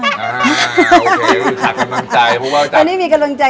อ้าวโอเคดูว่าค่ะกำลังใจ